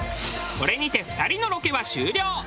これにて２人のロケは終了。